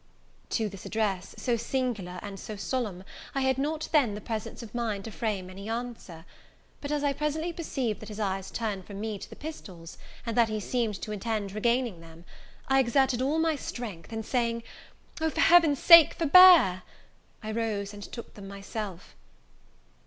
To this address, so singular, and so solemn, I had not then the presence of mind to frame any answer; but as I presently perceived that his eyes turned from me to the pistols, and that he seemed to intend regaining them, I exerted all my strength, and saying, "O, for Heaven's sake forbear!" I rose and took them myself.